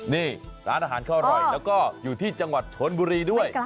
นี่ร้านอาหารเขาอร่อยแล้วก็อยู่ที่จังหวัดชนบุรีด้วย